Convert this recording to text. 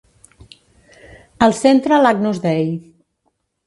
Al centre l'Agnus Dei.